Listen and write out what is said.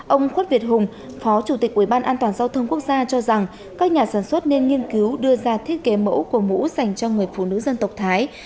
ông khuất việt hùng phó chủ tịch ủy ban an toàn giao thông quốc gia cho rằng các nhà sản xuất nên nghiên cứu đưa ra thiết kế mẫu của mũ dành cho người phụ nữ dân tộc thái